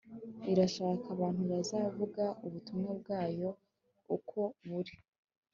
irashaka abantu bazavuga ubutumwa bwayo uko buri